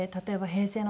「平成の」？